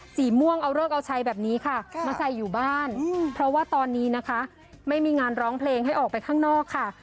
สีม่วงเอาเลิกเอาชัยแบบนี้ค่ะมาใส่อยู่บ้านเพราะว่าตอนนี้นะคะไม่มีงานร้องเพลงให้ออกไปข้างนอกค่ะ